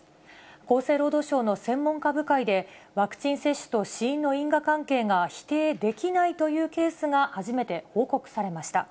厚生労働省の専門家部会で、ワクチン接種と死因の因果関係が否定できないというケースが、初めて報告されました。